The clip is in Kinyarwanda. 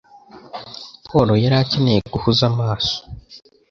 Paul yari akeneye guhuza amaso.